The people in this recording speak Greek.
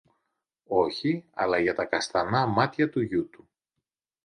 Όχι, αλλά για τα καστανά μάτια του γιου του.